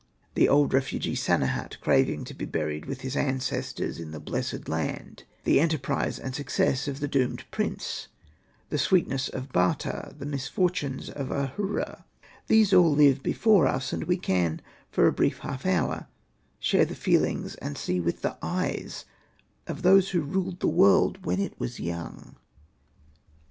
The old refugee Sanehat craving to be buried with his ancestors in the blessed land, the enterprise and success of the Doomed Prince, the sweetness of Bata, the misfortunes of Ahura, these all live before us, and we can J for a brief half hour share the feelings and see with the eyes of those who ruled the world when it was young.